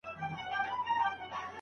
راوړي.